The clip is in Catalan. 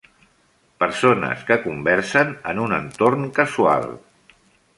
Persones que conversen en un entorn casual.